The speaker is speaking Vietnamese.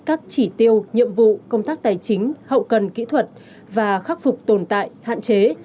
các chỉ tiêu nhiệm vụ công tác tài chính hậu cần kỹ thuật và khắc phục tồn tại hạn chế